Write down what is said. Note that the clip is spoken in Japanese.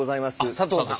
佐藤さん